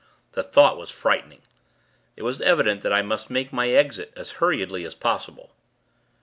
The thought was frightening. It was evident that I must make my exit as hurriedly as possible.